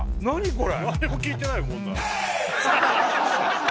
これ。